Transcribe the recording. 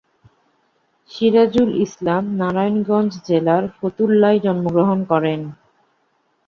সিরাজুল ইসলাম নারায়ণগঞ্জ জেলার ফতুল্লায় জন্মগ্রহণ করেন।